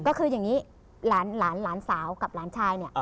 ก็คืออย่างนี้หลานสาวกับหลานชายเนี่ย